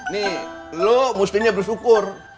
nih lo mesti bersyukur